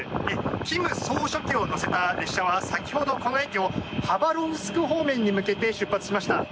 金総書記を乗せた列車は先ほど、この駅をハバロフスク方面に向けて出発しました。